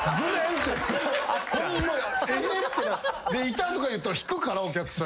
「痛っ」とか言ったら引くからお客さん。